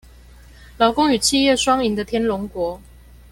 勞工與企業雙贏的天龍國